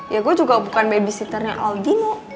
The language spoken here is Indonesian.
ya gue juga bukan babysitternya aldino